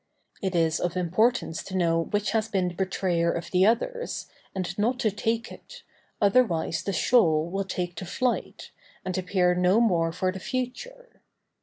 It is of importance to know which has been the betrayer of the others, and not to take it, otherwise the shoal will take to flight, and appear no more for the future.